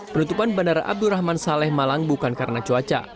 penutupan bandara abdurrahman saleh malang bukan karena cuaca